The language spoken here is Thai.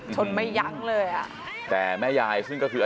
ชนไม่ยั้งเลย